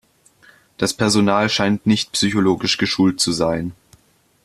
Das Personal scheint nicht psychologisch geschult zu sein.